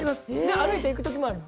歩いて行く時もあります。